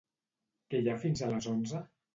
Què hi ha fins a les onze?